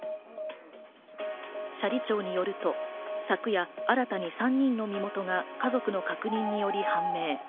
斜里町によると、昨夜、新たに３人の身元が家族の確認により判明。